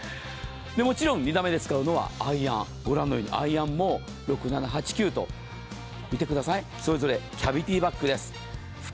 もちろん２打目で使うのはアイアン、ご覧のようにアイアンも６、７、８、９とそれぞれキャビティーバックです。